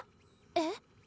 えっ？